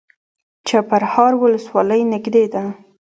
چپرهار ولسوالۍ نږدې ده؟